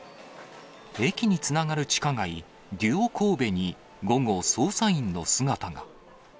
駅につながる地下街、デュオこうべに午後、捜査員の姿が。